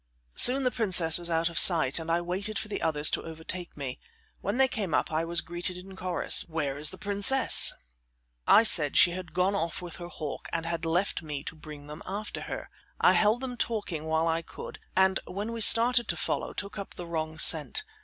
Soon the princess was out of sight, and I waited for the others to overtake me. When they came up I was greeted in chorus: "Where is the princess?" I said she had gone off with her hawk, and had left me to bring them after her. I held them talking while I could, and when we started to follow took up the wrong scent.